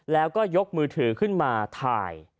แล้วก็ยกมือถือขึ้นมาถ่าย